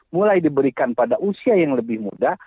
mulai diberikan pada usia yang lebih muda